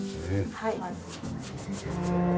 はい。